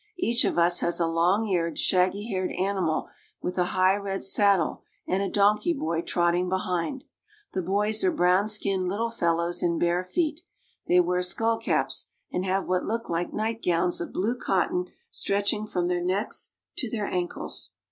Each of us has a long eared, shaggy haired animal with a high red saddle and a donkey boy trotting behind. The boys are brown skinned little fellows in bare feet. They wear skull caps and have what look like night gowns of blue cotton stretching from their necks to their ankles.